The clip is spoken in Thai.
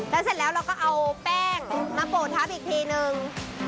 แล้วเสร็จแล้วเราก็เอาแป้งมาโปรดทับอีกทีนึง